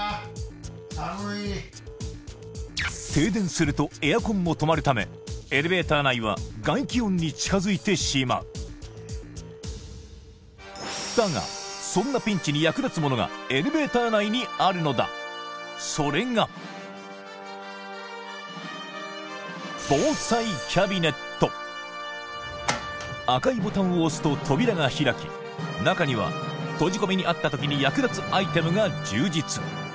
停電するとエアコンも止まるためエレベーター内は外気温に近づいてしまうだがそんなピンチに役立つものがエレベーター内にあるのだそれが赤いボタンを押すと扉が開き中には閉じ込めにあった時に役立つアイテムが充実